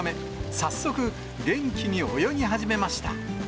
早速、元気に泳ぎ始めました。